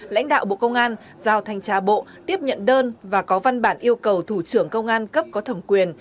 lãnh đạo bộ công an giao thanh tra bộ tiếp nhận đơn và có văn bản yêu cầu thủ trưởng công an cấp có thẩm quyền